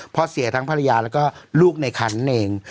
เพราะเสียทั้งภรรยาแล้วก็ลูกในคันเอง